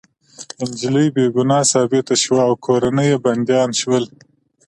انجلۍ بې ګناه ثابته شوه او کورنۍ يې بندیان شول